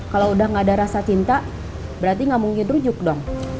kalau udah gak ada rasa cinta berarti gak mungkin rujuk dong